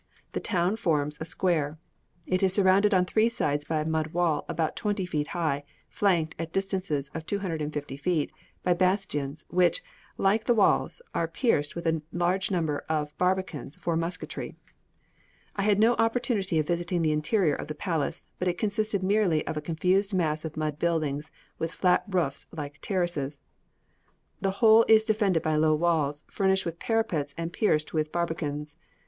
The town forms a square. It is surrounded on three sides by a mud wall about twenty feet high, flanked, at distances of 250 feet, by bastions, which, like the walls, are pierced with a large number of barbicans for musketry. I had no opportunity of visiting the interior of the palace, but it consists merely of a confused mass of mud buildings with flat roofs like terraces; the whole is defended by low walls, furnished with parapets and pierced with barbicans.